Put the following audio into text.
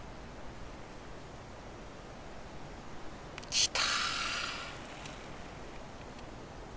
来た！